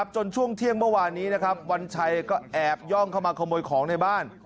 ช่วงเที่ยงเมื่อวานนี้นะครับวันชัยก็แอบย่องเข้ามาขโมยของในบ้าน